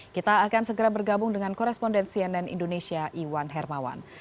kita akan segera bergabung dengan koresponden cnn indonesia iwan hermawan